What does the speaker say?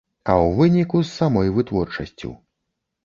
А ў выніку, з самой вытворчасцю.